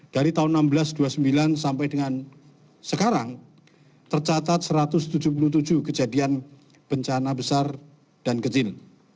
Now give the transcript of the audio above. dari tahun seribu enam ratus dua puluh sembilan sampai dengan sekarang tercatat satu ratus tujuh puluh tujuh kejadian bencana besar dan kecil